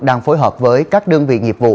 đang phối hợp với các đơn vị nghiệp vụ